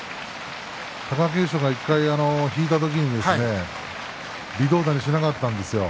貴景勝が１回引いた時に微動だにしなかったんですよ